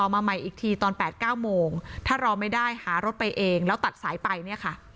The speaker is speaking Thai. มาใหม่อีกทีตอน๘๙โมงถ้ารอไม่ได้หารถไปเองแล้วตัดสายไปเนี่ยค่ะ